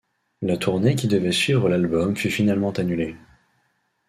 La tournée qui devait suivre l'album fut finalement annulée.